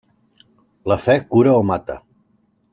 La fe cura o mata.